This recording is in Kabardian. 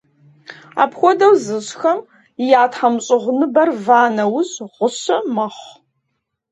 Апхуэдэу зыщӀхэм я тхьэмщӀыгъуныбэр ва нэужь гъущэ мэхъу.